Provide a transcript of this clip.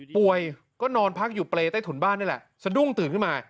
ป่วยก็นอนพักอยู่เปรย์ใต้ถุนบ้านนี่แหละสะดุ้งตื่นขึ้นมา